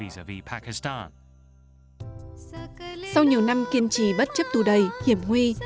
sau nhiều năm kiên trì bất chấp tù đầy hiểm nguy